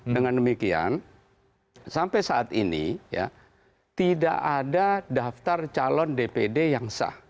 dengan demikian sampai saat ini tidak ada daftar calon dpd yang sah